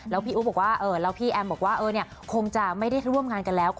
แล้วพี่อุ๊บบอกว่าแล้วพี่แอมบอกว่าคงจะไม่ได้ร่วมงานกันแล้ว